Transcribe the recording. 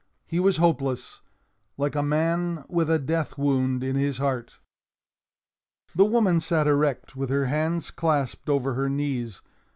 He was hopeless—like a man with a death wound in his heart. The woman sat erect, with her hands clasped over her knees.